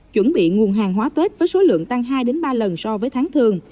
chuẩn bị nguồn hàng hóa tết với số lượng tăng hai ba lần so với tháng thường